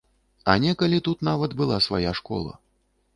А некалі тут нават была свая школа.